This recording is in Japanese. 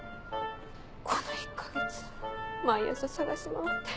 この１か月毎朝探し回って。